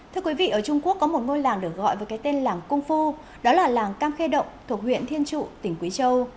thưa quý vị ở trung quốc có một ngôi làng được gọi với cái tên làng cung phu đó là làng cam khe động thuộc huyện thiên trụ tỉnh quý châu